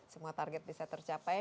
semua target bisa tercapai